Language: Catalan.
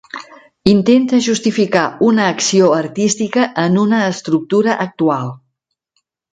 Intenta justificar una acció artística en una estructura actual.